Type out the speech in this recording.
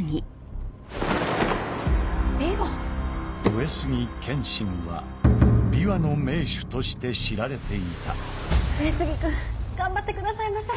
琵琶⁉上杉謙信は琵琶の名手として知られていた上杉君頑張ってくださいませ。